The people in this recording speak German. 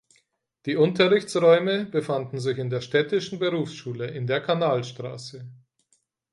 Die Unterrichtsräume befanden sich in der Städtischen Berufsschule in der Kanalstraße.